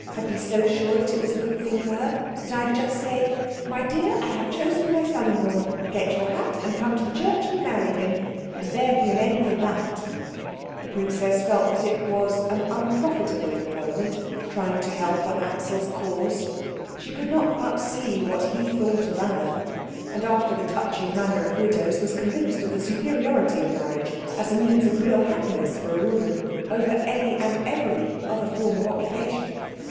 I'd be so sure that it was a good thing for her that I'd just say: 'My dear, I have chosen my son in law. Get your hat, and come to church and marry him.' And there'd be an end of that." The princess felt that it was an unprofitable employment, trying to help on Axel's cause. She could not but see what he thought of Anna; and after the touching manner of widows, was convinced of the superiority of marriage, as a means of real happiness for a woman, over any and every other form of occupation.